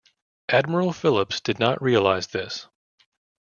Admiral Phillips did not realize this.